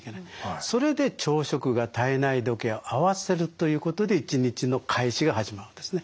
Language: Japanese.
それで朝食が体内時計を合わせるということで一日の開始が始まるんですね。